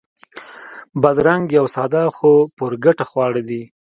بادرنګ یو ساده خو پُرګټه خواړه دي.